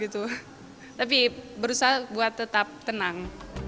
tapi berusaha buat tetap tenang